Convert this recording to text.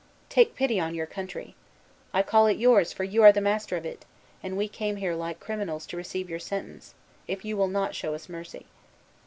Take pity on your country. I call it yours, for you are the master of it; and we came here like criminals to receive your sentence, if you will not show us mercy.